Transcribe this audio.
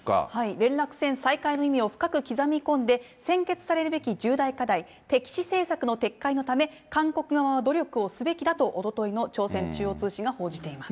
連絡線再開の意味を深く刻み込んで、先決されるべき重大課題、敵視政策の撤回のため、韓国側は努力をすべきだとおとといの朝鮮中央通信が報じています。